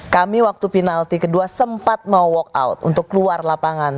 kami waktu penalti kedua sempat mau walk out untuk keluar lapangan